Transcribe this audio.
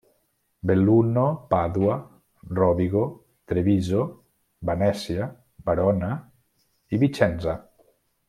Belluno, Pàdua, Rovigo, Treviso, Venècia, Verona i Vicenza.